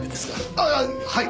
あっはい。